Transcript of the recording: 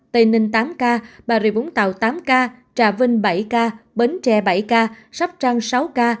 bình dương tám ca bà rịa vũng tàu tám ca trà vinh bảy ca bến tre bảy ca sắp trang sáu ca